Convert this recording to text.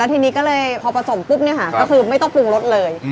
ทีนี้ก็เลยพอผสมปุ๊บก็คือไม่ต้องปรุงรสเลย